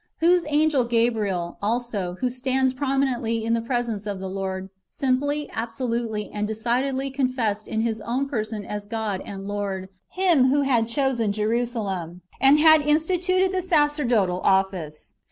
"^ Whose angel Gabriel, also, who stands prominently in the presence of the Lord, simply, absolutely, and decidedly confessed in his own person as God and Lord, Him who had chosen Jerusalem, and had instituted the sacerdotal office.